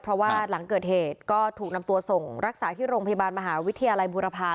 เพราะว่าหลังเกิดเหตุก็ถูกนำตัวส่งรักษาที่โรงพยาบาลมหาวิทยาลัยบุรพา